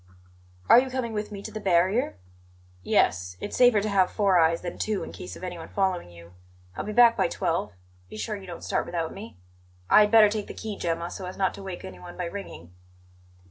"Are you coming with me to the barrier?" "Yes; it's safer to have four eyes than two in case of anyone following you. I'll be back by twelve. Be sure you don't start without me. I had better take the key, Gemma, so as not to wake anyone by ringing."